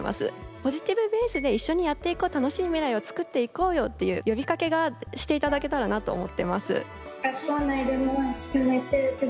ポジティブベースで一緒にやっていこう楽しい未来を作っていこうよっていう呼びかけがして頂けたらなと思ってます。